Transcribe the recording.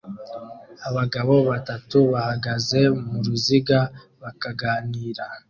Abagabo batatu bahagaze muruziga bakaganira